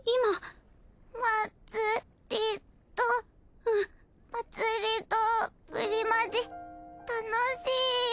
まつりとプリマジたのしいよ。